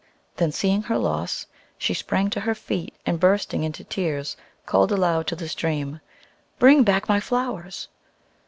Then, seeing her loss, she sprang to her feet, and bursting into tears, called aloud to the stream, "Bring back my flowers!"